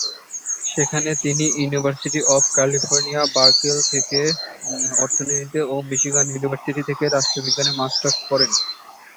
সেখানে তিনি university of California Berkeley থেকে অর্থনীতিতে ও মিশিগান ইউনিভার্সিটি থেকে রাষ্ট্রবিজ্ঞানে মাস্টার্স করেন।